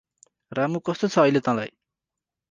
रामु कस्तो छ अहिले तँलाई?